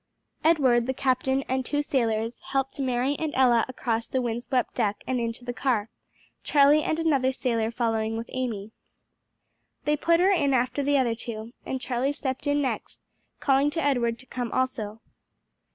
Edward, the captain, and two sailors helped Mary and Ella across the wind swept deck and into the car, Charlie and another sailor following with Amy. They put her in after the other two and Charlie stepped in next, calling to Edward to come also.